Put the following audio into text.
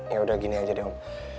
ya udah gini aja deh om